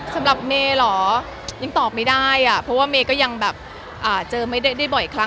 สำหรับเมย์เหรอยังตอบไม่ได้อ่ะเพราะว่าเมย์ก็ยังแบบเจอไม่ได้บ่อยครั้ง